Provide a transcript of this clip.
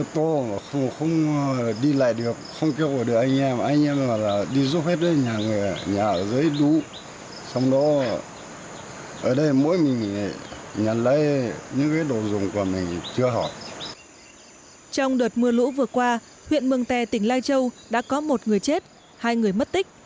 trong đợt mưa lũ vừa qua huyện mường tè tỉnh lai châu đã có một người chết hai người mất tích